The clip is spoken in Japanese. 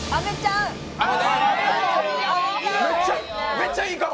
めっちゃいいかも！